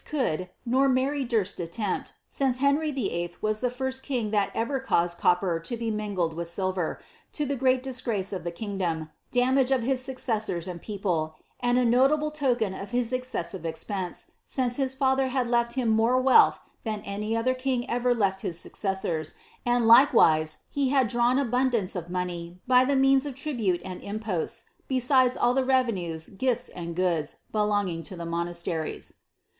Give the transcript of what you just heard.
could, nor Mary durst attempt, since Henry VIIL was the first king that ever caused copper to be mingled with silver, to the great disgrace of the kingdom, damage of his succeasors and people^ and a notable token of his excessive expense, since his father had left him more wealth than any other king ever left his successors, and Uko wise he had diawn abundance of money by the .means of tribute aod imposts, besides all the revenues, gifts, and goods, belonging to the monasteries."